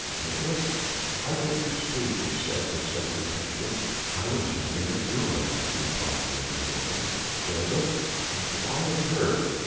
"Nicolaes, why don't you speak?" he said with sudden impatience. "I was thinking of Gilda," replied the other dully. "Gilda? Why of her?"